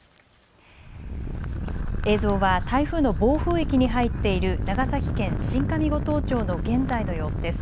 映像は、台風の暴風域に入っている長崎県新上五島町の現在の様子です。